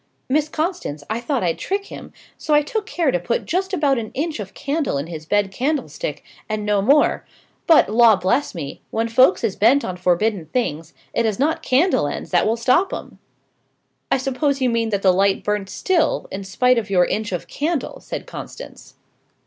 Miss Constance, I thought I'd trick him: so I took care to put just about an inch of candle in his bed candlestick, and no more: but, law bless me! when folks is bent on forbidden things, it is not candle ends that will stop 'em!" "I suppose you mean that the light burnt still, in spite of your inch of candle?" said Constance.